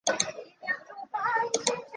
刺果瓜为葫芦科刺果瓜属下的一个种。